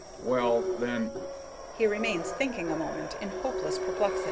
Well, then"—He remains thinking a moment in hopeless perplexity.